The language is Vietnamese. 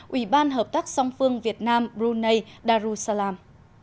ủy ban hợp tác song phương việt nam brunei darussalam